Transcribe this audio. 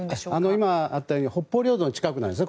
いま、あったように北方領土の近くなんです。